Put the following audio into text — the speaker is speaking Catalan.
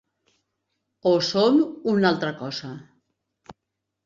O som una altra cosa.